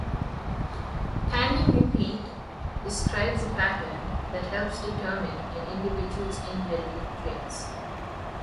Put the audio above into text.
Tandem repeat describes a pattern that helps determine an individual's inherited traits.